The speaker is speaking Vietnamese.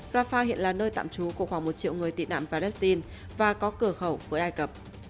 rafah hiện là nơi tạm trú của khoảng một triệu người tị nạn palestine và có cửa khẩu với ai cập